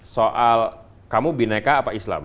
soal kamu bineka apa islam